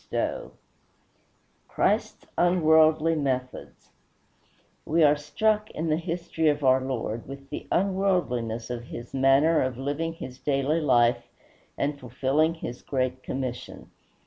XIII CHRIST'S UNWORLDLY METHODS We are struck, in the history of our Lord, with the unworldliness of his manner of living his daily life and fulfilling his great commission.